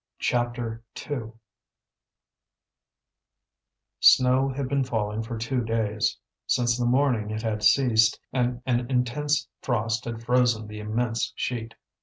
CHAPTER II Snow had been falling for two days; since the morning it had ceased, and an intense frost had frozen the immense sheet.